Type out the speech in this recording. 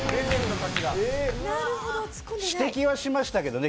指摘はしましたけどね